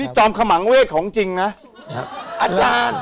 จอมขมังเวศจริงนะ